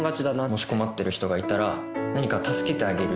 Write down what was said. もし困ってる人がいたら何か助けてあげるっていう。